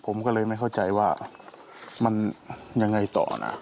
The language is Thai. ผมก็เลยไม่เข้าใจว่ามันยังไงต่อนะ